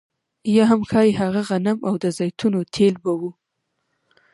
یا هم ښايي هغه غنم او د زیتونو تېل به وو